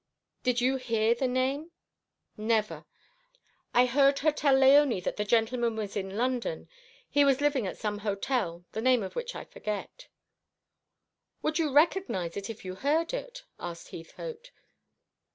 "Did you hear the name?" "Never. I heard her tell Léonie that the gentleman was in London. He was living at some hotel, the name of which I forget." "Would you recognise it if you heard it?" asked Heathcote.